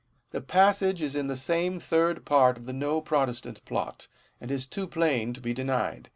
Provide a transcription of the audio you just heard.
The passage is in the same third part of the " No Protestant Plot," and is too plain to be denied.